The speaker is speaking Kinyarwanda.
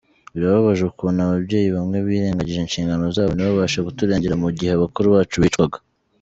Birababaje ukuntu ababyeyi bamwe birengagije inshingano zabo, ntibabashe kuturengera mu gihe bakuru bacu bicwaga.